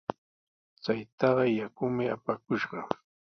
Chataqa yakumi apakushqa.